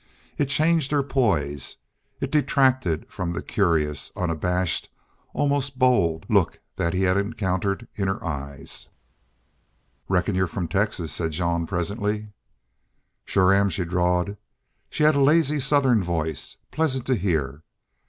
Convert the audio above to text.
It changed her poise. It detracted from the curious, unabashed, almost bold, look that he had encountered in her eyes. "Reckon you're from Texas," said Jean, presently. "Shore am," she drawled. She had a lazy Southern voice, pleasant to hear.